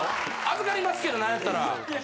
預かりますけどなんやったら。